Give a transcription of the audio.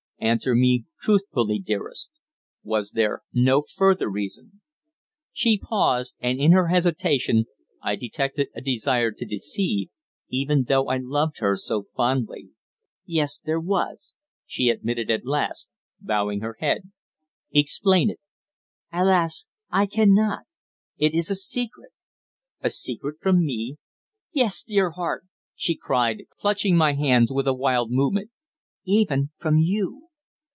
"Answer me truthfully, dearest. Was there no further reason?" She paused; and in her hesitation I detected a desire to deceive, even though I loved her so fondly. "Yes, there was," she admitted at last, bowing her head. "Explain it." "Alas! I cannot. It is a secret." "A secret from me?" "Yes, dear heart!" she cried, clutching my hands with a wild movement. "Even from you."